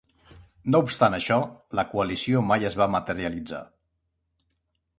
No obstant això, la coalició mai es va materialitzar.